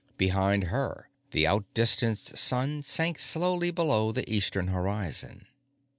Behind her, the outdistanced sun sank slowly below the eastern horizon.